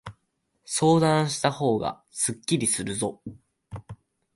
相談したほうがすっきりするぞ。